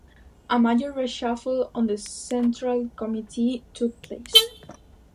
A major reshuffle of the Central Committee took place.